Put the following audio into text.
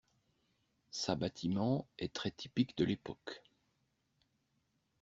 Ça bâtiment est très typique de l'époque